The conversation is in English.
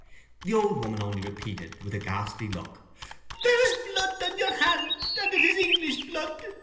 The old woman only repeated, with a ghastly look: "There is blood on your hand, and it is English blood.